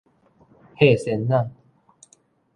屏遮那